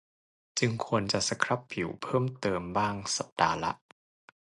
จึงควรจะสครับผิวเพิ่มเติมบ้างสัปดาห์ละ